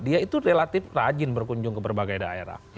dia itu relatif rajin berkunjung ke berbagai daerah